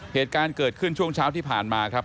เหตุการณ์เกิดขึ้นช่วงเช้าที่ผ่านมาครับ